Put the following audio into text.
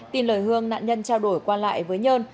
tin lời hương nạn nhân trao đổi qua lại với nhơn